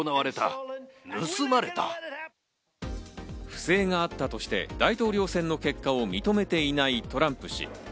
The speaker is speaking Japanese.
不正があったとして、大統領選の結果を認めていないトランプ氏。